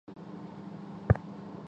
这本书的英文原名